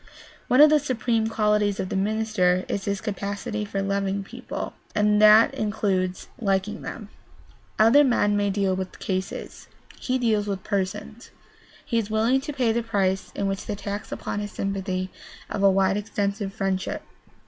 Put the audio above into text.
One of the supreme qualities of the minister is his capacity for loving people, and that includes liking them. Other men may deal with cases; he deals with persons. He is willing to pay the price in the tax upon his sympathy of a wide extended friendship.